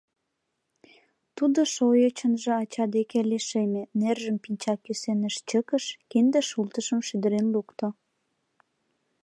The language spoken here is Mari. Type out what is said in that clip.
Тудо шойычынжо ача деке лишеме, нержым пинчак кӱсеныш чыкыш, кинде шултышым шӱдырен лукто.